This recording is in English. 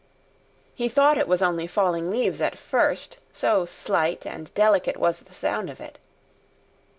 He thought it was only falling leaves at first, so slight and delicate was the sound of it.